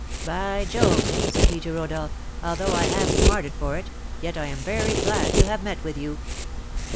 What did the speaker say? "By Jove," said he to Rodolph, "although I have smarted for it, yet I am very glad to have met with you."